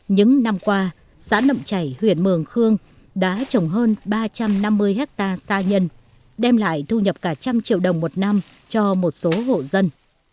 những năm qua sáng đậm chảy huyện mường khương đã trồng hơn ba trăm năm mươi ha sa nhân đem lại thu nhập cả một trăm linh triệu đồng một năm cho một số hộ dân